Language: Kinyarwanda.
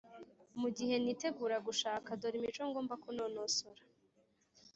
Mu gihe nitegura gushaka dore imico ngomba kunonosora